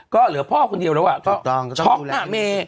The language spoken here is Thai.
ก็เหลือพ่อคนเดียวแล้วอ่ะก็ช็อคหน้าเม